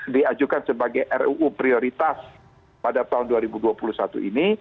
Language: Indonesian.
diajukan sebagai ruu prioritas pada tahun dua ribu dua puluh satu ini